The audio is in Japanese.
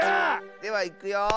ではいくよ。